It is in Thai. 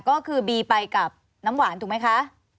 ก็คือบีไปกับน้ำหวานถูกไหมคะ